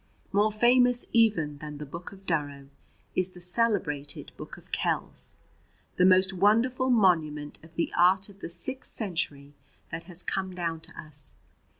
More famous even than the "Book of Durrow" is the celebrated "Book of Kells," the most wonderful monument of the art of the Sixth Century that has come down to us.